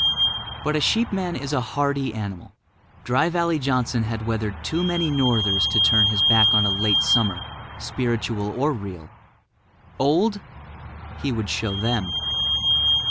But a sheepman is a hardy animal. Dry Valley Johnson had weathered too many northers to turn his back on a late summer, spiritual or real. Old? He would show them.